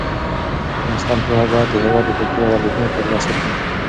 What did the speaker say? د افغانستان پوهه باید د هېواد د کلتور او ارزښتونو پر بنسټ وي.